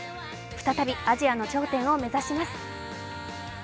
再びアジアの頂点を目指します。